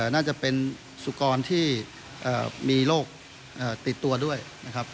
น่าจะเป็นสุกรที่มีโรคติดตัวด้วยนะครับ